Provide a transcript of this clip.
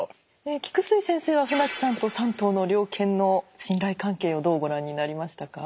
菊水先生は船木さんと３頭の猟犬の信頼関係をどうご覧になりましたか？